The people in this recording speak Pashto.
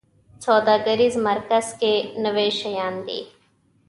سوداګریز مرکز کې نوي شیان دي